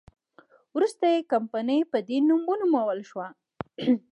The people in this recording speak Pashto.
وروسته یې کمپنۍ په دې نوم ونومول شوه.